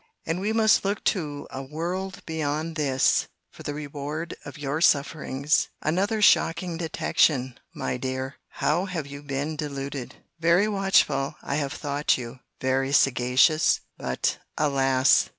—And we must look to a WORLD BEYOND THIS for the reward of your sufferings! Another shocking detection, my dear!—How have you been deluded!—Very watchful I have thought you; very sagacious:—but, alas!